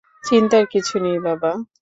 চিন্তার কিছু নেই, বাবা।